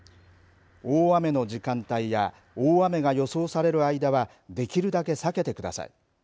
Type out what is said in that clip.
大雨の時間帯や大雨が予想される間はできるだけ避けてください。